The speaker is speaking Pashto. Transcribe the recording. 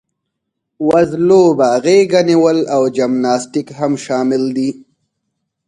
وزلوبه، غېږه نیول او جمناسټیک هم شامل دي.